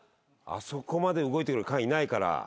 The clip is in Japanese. あそこまで動いてくる菅いないから。